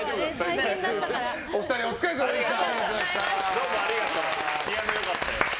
お二人、お疲れさまでした。